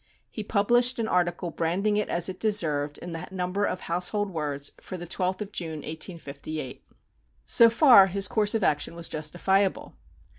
He published an article branding it as it deserved in the number of Household Words for the 12th of June, 1858. So far his course of action was justifiable.